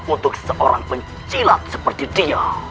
untuk seorang pencilat seperti dia